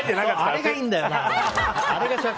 あれがいいんだよなって。